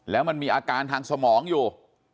แล้วมันมีอาการทางสมองอยู่